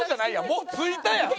もうついたやん。